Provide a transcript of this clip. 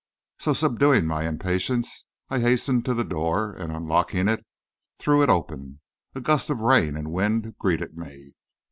So, subduing my impatience, I hastened to the door, and unlocking it, threw it open. A gust of rain and wind greeted me.